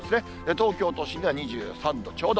東京都心が２３度ちょうど。